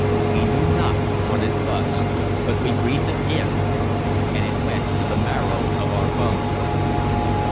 We knew not what it was, but we breathed it in, and it went to the marrow of our bones.